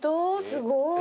すごい。